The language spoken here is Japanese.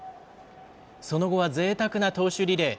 その後はぜいたくな投手リレー。